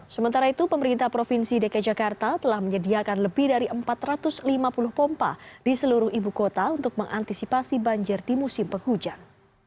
sementara itu pemerintah provinsi dki jakarta telah menyediakan lebih dari empat ratus lima puluh pompa di seluruh ibu kota untuk mengantisipasi banjir di musim penghujan